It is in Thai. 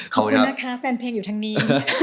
ขอบคุณนะคะแฟนเพลงอยู่ทางนี้